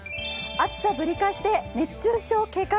暑さぶり返しで熱中症警戒。